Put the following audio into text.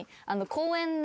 公園で？